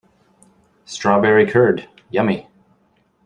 Strawberry curd, yummy!